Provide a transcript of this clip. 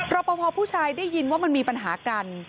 รอปภผู้ชายได้ยินว่ามันมีปัญหากัน